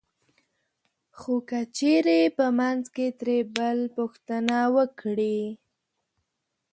خو که چېرې په منځ کې ترې بل پوښتنه وکړي